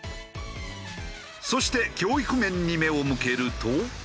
そして教育面に目を向けると。